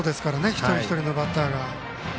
一人一人のバッターが。